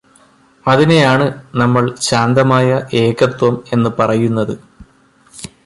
അതിനെയാണ് നമ്മള് ശാന്തമായ ഏകത്വം എന്ന് പറയുന്നത്